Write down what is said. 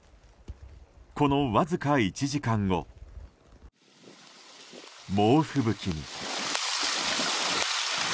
このわずか１時間後、猛吹雪に。